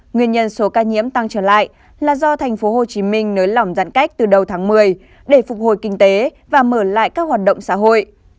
nguyên nhân số ca nhiễm tăng trở lại là do tp hcm nới lỏng giãn cách từ đầu tháng một mươi để phục hồi kinh tế và mở lại các hoạt động xã hội